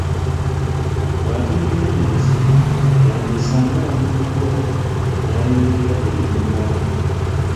Bw’ateegendereza y’andyesanga ng'awuguddwa n’ayingirira ebitamukwatako.